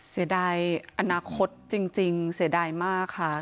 เสียดายอนาคตจริงเสียดายมากค่ะ